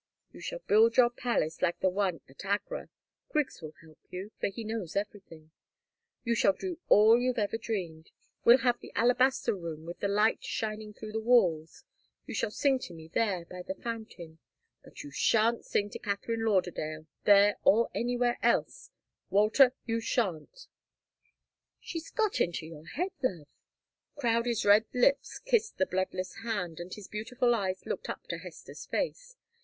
You shall build your palace like the one at Agra Griggs will help you, for he knows everything you shall do all you've ever dreamed we'll have the alabaster room with the light shining through the walls you shall sing to me there, by the fountain but you shan't sing to Katharine Lauderdale there, nor anywhere else Walter, you shan't " "She's got into your head, love " Crowdie's red lips kissed the bloodless hand, and his beautiful eyes looked up to Hester's face.